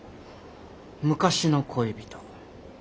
昔の恋人。